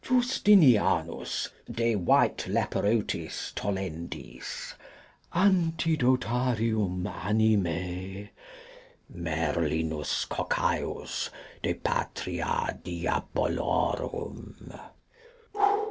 Justinianus de Whiteleperotis tollendis. Antidotarium animae. Merlinus Coccaius, de patria diabolorum.